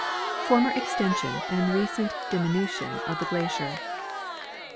Former Extension and recent Diminution of the Glacier.